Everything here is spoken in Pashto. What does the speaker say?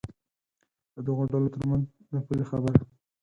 د دغو ډلو تر منځ د پولې خبره.